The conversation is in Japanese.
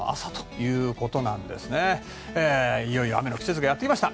いよいよ雨の季節がやってきました。